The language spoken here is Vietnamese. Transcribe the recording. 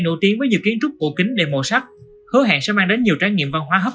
nổi tiếng với nhiều kiến trúc cổ kính đầy màu sắc hứa hẹn sẽ mang đến nhiều trải nghiệm văn hóa hấp